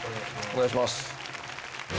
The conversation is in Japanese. お願いします。